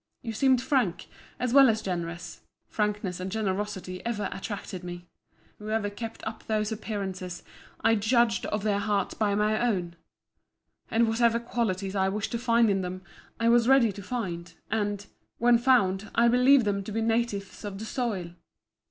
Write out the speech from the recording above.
You seemed frank, as well as generous: frankness and generosity ever attracted me: whoever kept up those appearances, I judged of their hearts by my own; and whatever qualities I wished to find in them, I was ready to find; and, when found, I believed them to be natives of the soil.